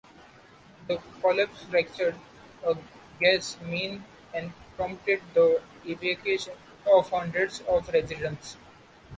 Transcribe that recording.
The collapse fractured a gas main and prompted the evacuation of hundreds of residents.